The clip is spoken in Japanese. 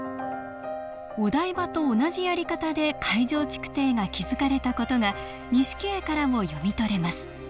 お台場と同じやり方で海上築堤が築かれた事が錦絵からも読み取れます。